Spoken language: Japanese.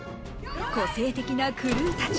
個性的なクルーたち